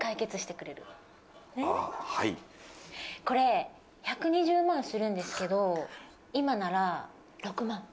これ１２０万するんですけど今なら６万。